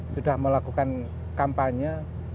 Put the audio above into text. sudah melakukan kampanye